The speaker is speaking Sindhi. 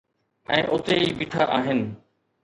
۽ اتي ئي بيٺا آهن.